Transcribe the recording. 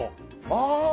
ああ。